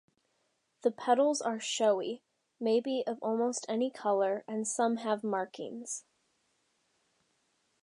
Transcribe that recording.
The petals are showy, may be of almost any color and some have markings.